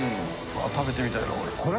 食べてみたいなこれ。